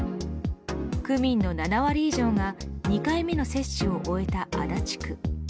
区民の７割以上が２回目の接種を終えた足立区。